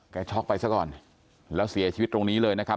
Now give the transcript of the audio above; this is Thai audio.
ช็อกไปซะก่อนแล้วเสียชีวิตตรงนี้เลยนะครับ